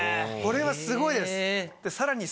これはすごいです。